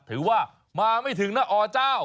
ถือว่ามาไม่ถึงนะอเจ้า